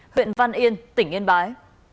huyện văn yên tỉnh yên bái